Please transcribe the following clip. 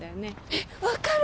えっ分かる！